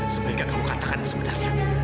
sehingga kamu katakan sebenarnya